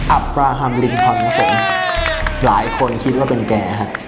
อับปลาฮัมริมคลองครับผมหลายคนคิดว่าเป็นแกครับ